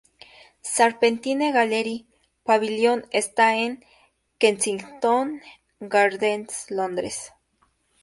Serpentine Gallery Pavilion está en Kensington Gardens, Londres.